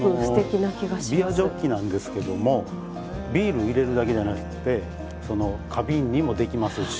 ビアジョッキなんですけどもビール入れるだけじゃなくて花瓶にもできますし。